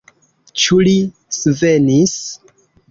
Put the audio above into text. Ĉu li svenis?